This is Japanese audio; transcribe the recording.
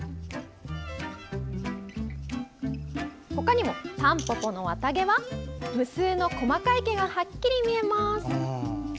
ほかにもタンポポの綿毛は無数の細かい毛がはっきり見えます。